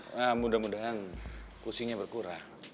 nah mudah mudahan pusingnya berkurang